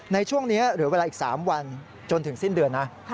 ในช่วงนี้เหลือเวลาอีก๓วันจนถึงสิ้นเดือนนะ